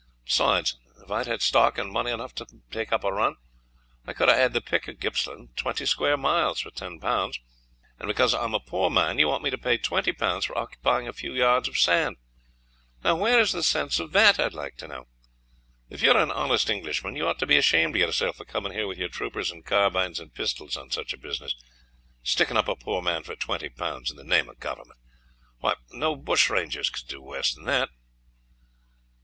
Besides, if I had had stock, and money enough to take up a run, I could have had the pick of Gippsland, twenty square miles, for ten pounds; and because I am a poor man you want me to pay twenty pounds for occupying a few yards of sand. Where is the sense of that, I'd like to know? If you are an honest Englishman, you ought to be ashamed of yourself for coming here with your troopers and carbines and pistols on such a business, sticking up a poor man for twenty pounds in the name of the Government. Why, no bushrangers could do worse than that."